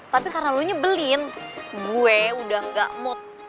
tapi karena lu nyebelin gue udah gak mood